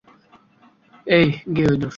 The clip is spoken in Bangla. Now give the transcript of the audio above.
এই, গেঁয়ো ইদুঁর!